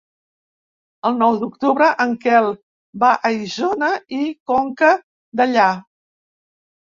El nou d'octubre en Quel va a Isona i Conca Dellà.